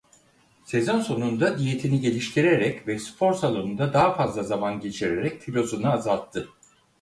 Sezon sonunda diyetini geliştirerek ve spor salonunda daha fazla zaman geçirerek kilosunu azalttı.